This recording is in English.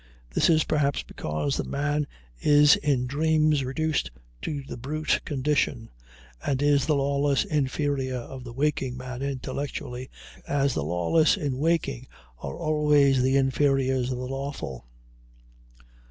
This is perhaps because the man is in dreams reduced to the brute condition, and is the lawless inferior of the waking man intellectually, as the lawless in waking are always the inferiors of the lawful.